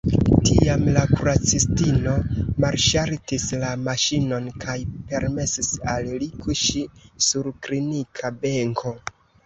Tiam la kuracistino malŝaltis la maŝinon, kaj permesis al li kuŝi sur klinika benko.